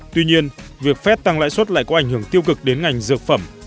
tuy nhiên việc phép tăng lãi suất lại có ảnh hưởng tiêu cực đến ngành dược phẩm